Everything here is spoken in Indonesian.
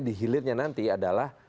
dihilirnya nanti adalah